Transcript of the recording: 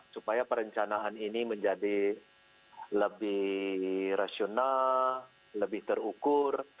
supaya perencanaan ini menjadi lebih rasional lebih terukur